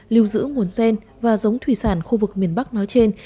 lưu giữ nguồn gen và giống thủy sản khu vực miền bắc nói trên